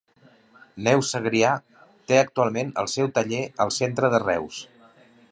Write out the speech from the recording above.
Neus Segrià té actualment el seu taller al centre de Reus.